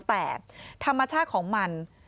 แต่ธรรมชาติของมัน